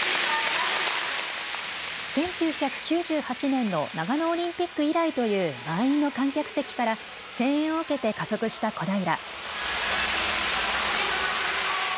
１９９８年の長野オリンピック以来という満員の観客席から声援を受けて加速した小平。